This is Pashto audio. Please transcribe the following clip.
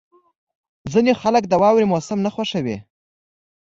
• ځینې خلک د واورې موسم نه خوښوي.